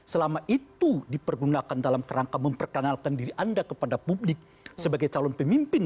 selama itu dipergunakan dalam kerangka memperkenalkan diri anda kepada publik sebagai calon pemimpin